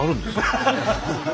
ハハハハ！